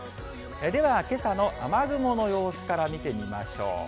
ではけさの雨雲の様子から見てみましょう。